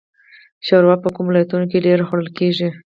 شوروا په کومو ولایتونو کې ډیره خوړل کیږي؟